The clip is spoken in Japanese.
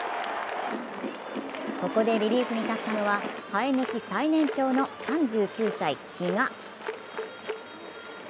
ここでリリーフに立ったのは、生え抜き最年長の３９歳・比嘉。